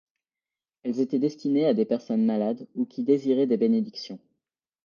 Elles étaient destinées à des personnes malades ou qui désiraient des bénédictions.